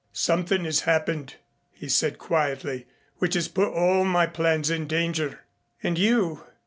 "Something has happened," he said quietly, "which has put all my plans in danger " "And you?"